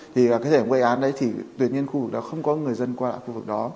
thì cái thể hiện quây án đấy thì tuyệt nhiên khu vực đó không có người dân qua lạng khu vực đó